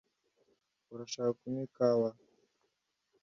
Urashaka kunywa ikawa?